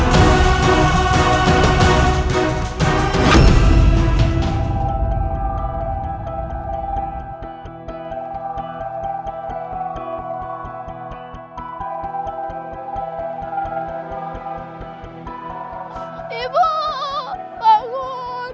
dante bagaimana dengan si youpu